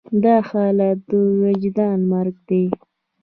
دا حالت د وجدان مرګ دی.